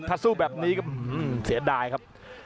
ถ้าสู้แบบนี้ก็เสียดายครับ